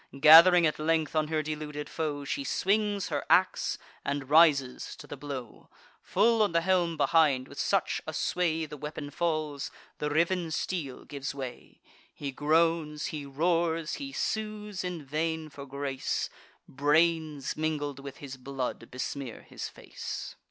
Gath'ring at length on her deluded foe, She swings her ax, and rises to the blow Full on the helm behind, with such a sway The weapon falls, the riven steel gives way: He groans, he roars, he sues in vain for grace; Brains, mingled with his blood, besmear his face.